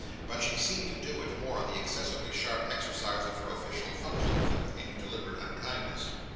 But she seemed to do it, more in the excessively sharp exercise of her official functions, than with any deliberate unkindness.